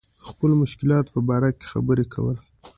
د خپلو مشکلاتو په باره کې خبرې کول.